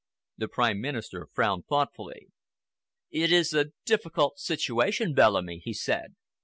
The Prime Minister frowned thoughtfully. "It's a difficult situation, Bellamy," he said.